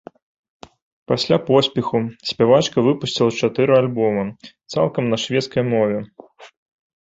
Пасля поспеху спявачка выпусціла чатыры альбома, цалкам на шведскай мове.